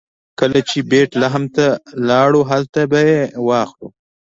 کله چې بیت لحم ته لاړو هلته به یې واخلو.